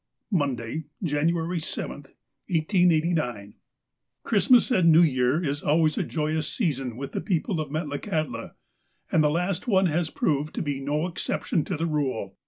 " Monday, January f, i88q. — Christmas and New Year is always a joyous season with the people of Metlakahtla, and the last one has proved to be no exception to the rule.